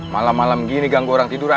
malam malam begini ganggu orang tidur saja